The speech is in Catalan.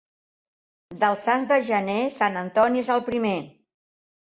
Dels sants de gener, Sant Antoni és el primer.